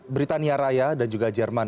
britania raya dan juga jerman